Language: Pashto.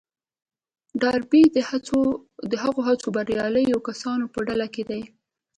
ډاربي د هغو څو برياليو کسانو په ډله کې دی.